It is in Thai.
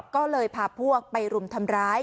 ก็เลยพาพวกไปรุมทำร้าย